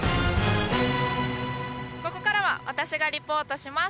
ここからは私がリポートします。